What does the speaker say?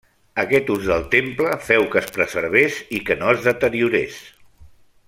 Aquest ús del temple féu que es preservés i que no es deteriorés.